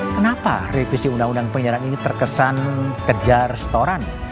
kenapa revisi undang undang penyiaran ini terkesan kejar setoran